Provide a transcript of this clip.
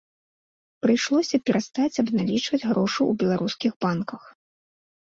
Прыйшлося перастаць абналічваць грошы ў беларускіх банках.